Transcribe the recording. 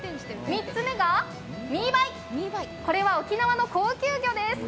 ３つ目がミーバイ、これは沖縄の高級魚です。